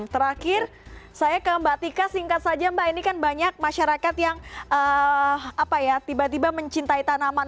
terakhir saya ke mbak tika singkat saja mbak ini kan banyak masyarakat yang tiba tiba mencintai tanaman